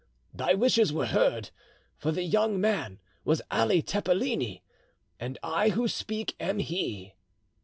Thy wishes were heard, for the young man was Ali Tepeleni, and I who speak am he!"